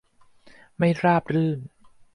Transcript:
ไม่ราบรื่น